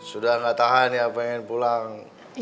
sudah nggak tahan ya pengen pulang